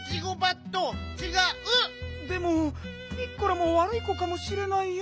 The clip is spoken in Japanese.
でもピッコラもわるい子かもしれないよ。